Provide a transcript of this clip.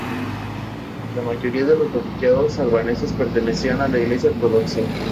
La mayoría de los refugiados albaneses pertenecían a la Iglesia ortodoxa.